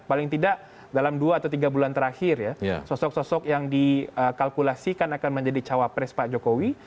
paling tidak dalam dua atau tiga bulan terakhir ya sosok sosok yang dikalkulasikan akan menjadi cawapres pak jokowi